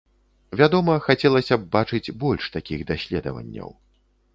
Вядома, хацелася б бачыць больш такіх даследаванняў.